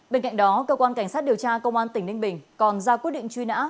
bên cạnh đó cơ quan cảnh sát điều tra công an tỉnh ninh bình còn ra quyết định truy nã